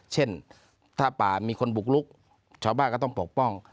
เช่นถ้าป่ามีคนบุกลุกชาวบ้านก็ต้องปกป้อง